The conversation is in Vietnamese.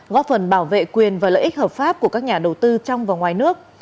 góp phần bảo vệ quyền và lợi ích hợp pháp của các nhà đầu tư trong và ngoài nước